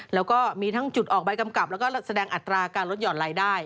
แล้วก็มีทั้งจุดออกใบกำกับแล้วก็แสดงอัตราการลดหย่อนรายได้